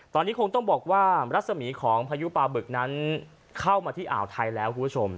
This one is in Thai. ตอนนี้คงต้องบอกว่ารัศมีของพายุปลาบึกนั้นเข้ามาที่อ่าวไทยแล้วคุณผู้ชม